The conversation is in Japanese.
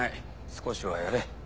少しはやれ。